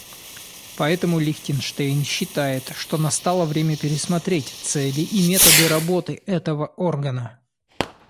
Поэтому Лихтенштейн считает, что настало время пересмотреть цели и методы работы этого органа.